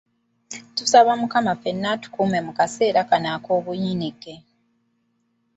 Tusaba Mukama fenna atugumye mu kaseera kano akoobuyinike.